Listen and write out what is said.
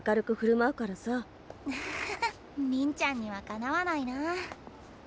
アハハりんちゃんにはかなわないな。